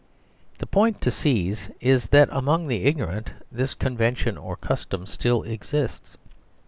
The point to seize is that among the ignorant this convention or custom still exists.